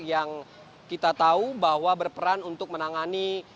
yang kita tahu bahwa berperan untuk menangani